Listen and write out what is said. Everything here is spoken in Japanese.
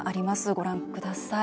ご覧ください。